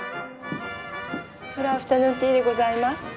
フルアフタヌーンティーでございます。